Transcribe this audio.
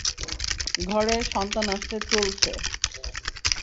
ঘরে সন্তান আসতে চলছে।